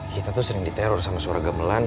kita tuh sering diteror sama suara gamelan